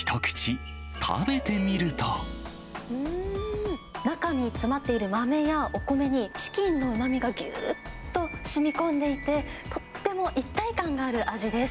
うーん、中に詰まっている豆や、お米にチキンのうまみがぎゅーっとしみこんでいて、とっても一体感がある味です。